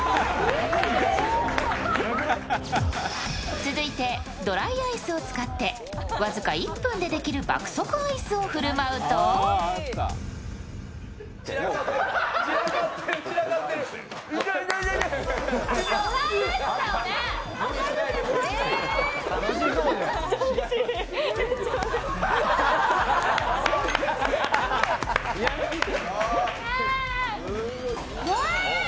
続いてドライアイスを使って、僅か１分でできる爆速アイスを振る舞うとドライアイスだよね！？